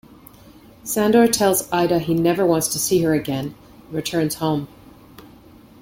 Sandor tells Ida he never wants to see her again, and returns home.